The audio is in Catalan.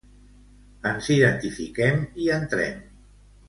Ens identifiquem i entrem.